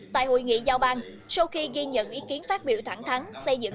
tại hội nghị giao ban sau khi ghi nhận ý kiến phát biểu thẳng thắng xây dựng